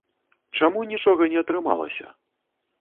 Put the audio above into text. Чаму нічога не атрымалася?